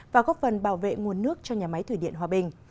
và góp phần bảo vệ nguồn nước cho nhà máy thủy điện hòa bình